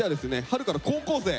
春から高校生。